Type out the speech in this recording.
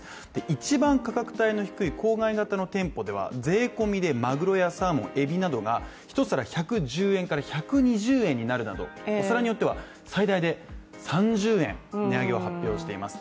一番価格帯の低い郊外型の店舗では税込みで鮪やサーモン、えびなどが１皿１００円から１２０円になり、お皿によっては最大で３０円値上げを発表しています。